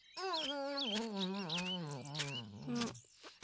うん？